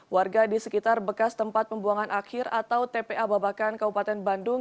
warga di sekitar bekas tempat pembuangan akhir atau tpa babakan kabupaten bandung